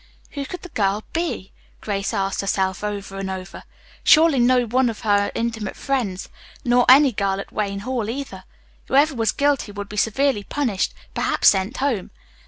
"Who could the girl be?" Grace asked herself over and over. Surely, no one of her intimate friends. Nor any girl at Wayne Hall, either. Whoever was guilty would be severely punished, perhaps sent home.